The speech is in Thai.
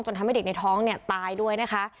ทำให้เด็กในท้องเนี่ยตายด้วยนะคะ